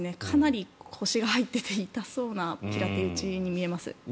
かなり腰が入ってて痛そうな平手打ちに見えます。